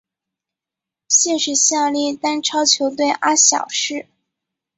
现时效力丹超球队阿晓士。